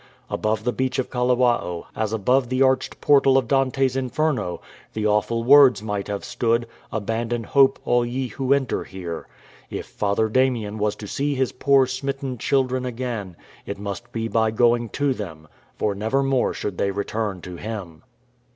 Above the beach of Kalawao, as above the arched portal of Dante's Inferno, the awful words might have stood, " Abandon hope all ye who enter here." If Father Damien was to see his poor smitten children again, it must be by going to them, for nevermore should they return to him.